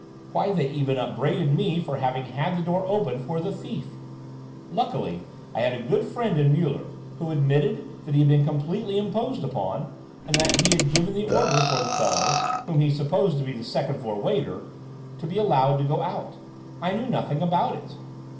"Why, they even upbraided me for having had the door opened for the thief! Luckily I had a good friend in Muller, who admitted that he had been completely imposed upon and that he had given the order for the fellow, whom he supposed to be the second floor waiter, to be allowed to go out. I knew nothing about it."